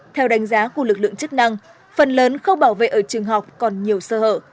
theo đánh giá của lực lượng chức năng phần lớn khâu bảo vệ ở trường học còn nhiều sơ hở